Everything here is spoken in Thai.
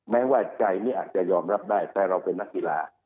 แม้ว่าใจนี่อาจจะยอมรับได้แต่เราเป็นนักกีฬา